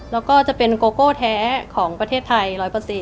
แล้วก็จะเป็นโกโก้แท้ของประเทศไทย๑๐๐